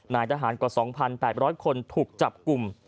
นายทหารกว่า๒๘๐๐คนถูกจับกลุ่ม